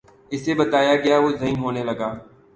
اُسے بتایا گیا وُہ ذہین ہونے لگا